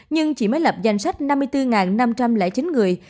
nhưng chỉ mới lập danh sách năm mươi bốn năm trăm linh chín người